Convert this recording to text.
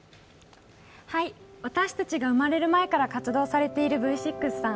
私たちが生まれる前から活動されているＶ６さん。